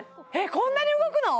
こんなに動くの？